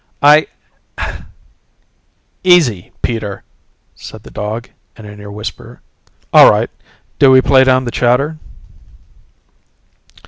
"I " "Easy Peter!" said the dog in a near whisper. "All right. Do we play down the chatter?"